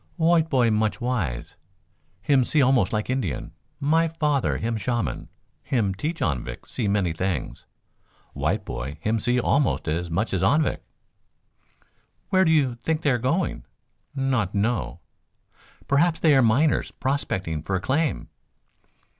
"White boy much wise. Him see almost like Indian. My father him shaman. Him teach Anvik see many thing. White boy him see almost as much as Anvik." "Where do you think they are going?" "Not know." "Perhaps they are miners prospecting for a claim."